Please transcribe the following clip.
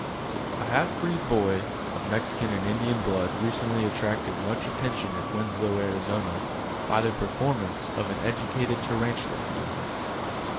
A half breed boy of Mexican and Indian blood recently attracted much attention at Winslow, Ariz., by the performances of an educated tarantula he owns.